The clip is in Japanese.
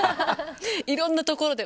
いろんなところで。